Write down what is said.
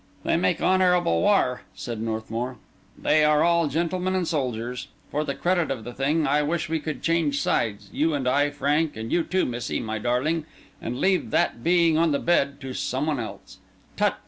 "They make honourable war," said Northmour. "They are all gentlemen and soldiers. For the credit of the thing, I wish we could change sides—you and I, Frank, and you too, Missy, my darling—and leave that being on the bed to some one else. Tut!